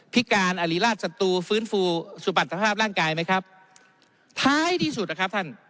พิการอลิราชศัตรูฟื้นฟูสุปัตรภาพร่างกายไหมครับท้ายที่สุดนะครับท่าน